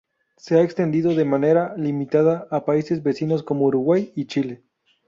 Se ha extendido, de manera limitada, a países vecinos como Uruguay y Chile.